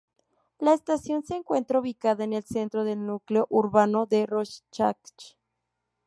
La estación se encuentra ubicada en el centro del núcleo urbano de Rorschach.